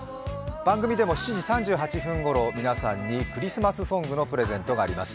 番組でも７時３８分ごろ皆さんにクリスマスソングのプレゼントがあります。